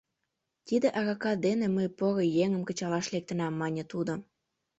— Тиде арака дене мый поро еҥым кычалаш лектынам, — мане тудо.